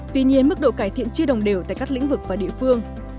tuy nhiên mức độ cải thiện chưa đồng đều tại các lĩnh vực và địa phương